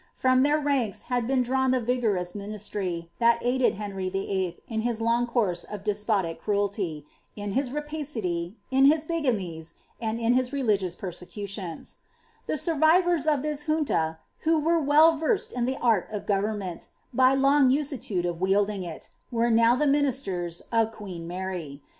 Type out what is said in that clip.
From Ihi^ir rank* had I dmwn the vigorous ministrj . that aidei! Henry VIII. in his loti|T co of despotic cniPJty, in liis rapacity, in his bigamies, otiJ in hh relig persecutions. The survivors of this Junta, who were well verged in thl^ »rl of government, hy long uselude of wielding it, were now the minis ters of queen Mary.